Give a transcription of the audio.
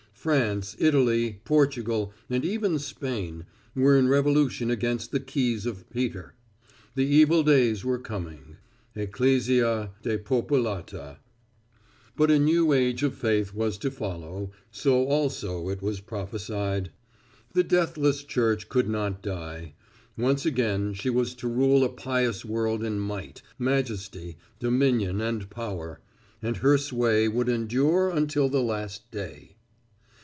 France, Italy, Portugal, and even Spain, were in revolution against the Keys of Peter. The evil days were coming, Ecclesia Depopulata. But a new age of faith was to follow, so also it was prophesied. The deathless Church could not die. Once again she was to rule a pious world in might, majesty, dominion and power and her sway would endure until the last day.